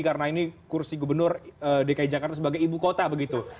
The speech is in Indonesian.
karena ini kursi gubernur dki jakarta sebagai ibu kota begitu